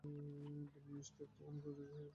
বিনয় ঈষৎ একটুখানি উত্তেজিত হইয়া কহিল, দুর্বল!